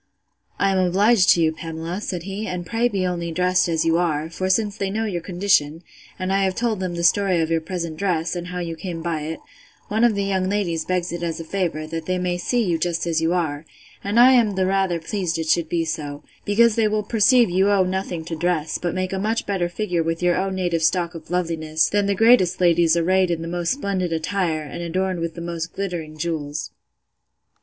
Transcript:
I am obliged to you, Pamela, said he, and pray be only dressed as you are; for since they know your condition, and I have told them the story of your present dress, and how you came by it, one of the young ladies begs it as a favour, that they may see you just as you are: and I am the rather pleased it should be so, because they will perceive you owe nothing to dress, but make a much better figure with your own native stock of loveliness, than the greatest ladies arrayed in the most splendid attire, and adorned with the most glittering jewels.